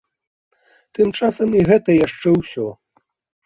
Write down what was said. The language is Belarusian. Тым часам і гэта яшчэ ўсё.